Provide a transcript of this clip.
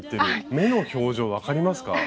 目の表情分かりますか？